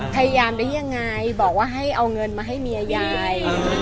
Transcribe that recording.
พยายามได้ยังไงบอกว่าให้เอาเงินมาให้เมียยาย